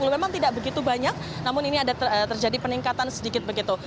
memang tidak begitu banyak namun ini ada terjadi peningkatan sedikit begitu